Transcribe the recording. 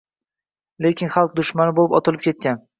Keyin xalq dushmani bo‘lib otilib ketgan.